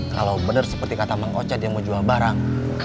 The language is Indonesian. kalau benar seperti kata bang oce dia mau jual barang